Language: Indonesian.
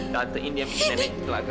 tante ini yang bikin nenek telah gagal